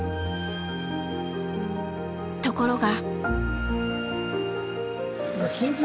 ところが。